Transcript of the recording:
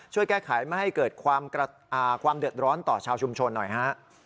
ช่วยแก้ไขไม่ให้เกิดความเดือดร้อนต่อชาวชุมชนหน่อยฮะ